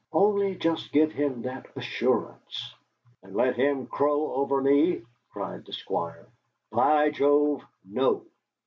Only just give him that assurance." "And let him crow over me!" cried the Squire. "By Jove, no!"